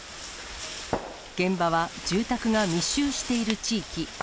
現場は住宅が密集している地域。